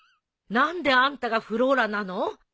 何であんたがフローラなの？